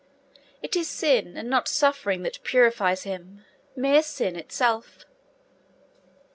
It is sin and not suffering that purifies him mere sin itself.